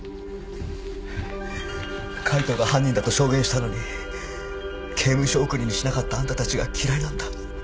海藤が犯人だと証言したのに刑務所送りにしなかったあんたたちが嫌いなんだ。